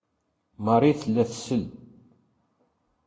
Marie tella tsell.